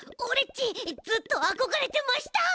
ちずっとあこがれてました！